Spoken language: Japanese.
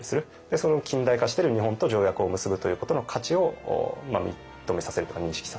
その近代化している日本と条約を結ぶということの価値を認めさせるというか認識させるというか。